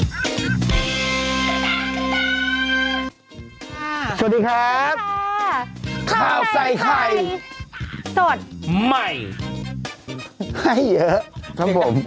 สวัสดีครับข้าวใส่ไข่สดใหม่ให้เยอะครับผม